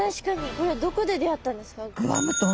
これはどこで出会ったんですか？